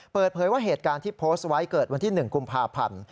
เปิดเผยว่าเหตุการณ์ที่โพสต์ไว้เกิดวันที่๑กุมภาพันธ์